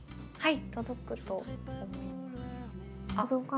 はい。